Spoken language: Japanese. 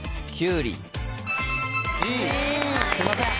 すいません。